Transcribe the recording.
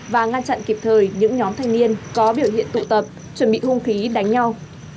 và ngăn chặn kịp thời những nhóm thanh niên có biểu hiện tụ tập chuẩn bị hung khí đánh nhau